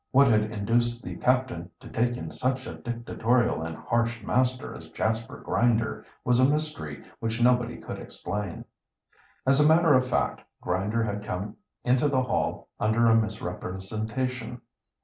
What had induced the captain to take in such a dictatorial and harsh master as Jasper Grinder was a mystery which nobody could explain. As a matter of fact, Grinder had come into the Hall under a misrepresentation.